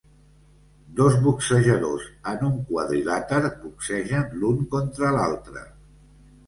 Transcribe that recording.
Dos boxejadors en un quadrilàter boxegen l'un contra l'altre.